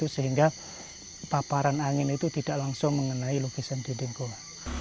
sehingga paparan angin itu tidak langsung mengenai lukisan dinding gua